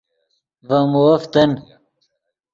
ڤے مووف تن